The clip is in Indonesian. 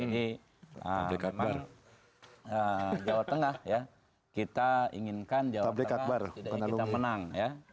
jadi jawa tengah kita inginkan jawa tengah kita menang ya